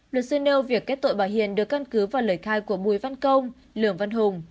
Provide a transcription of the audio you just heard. luật sư nêu việc kết tội bà hiền được căn cứ vào lời khai của bùi văn công lường văn hùng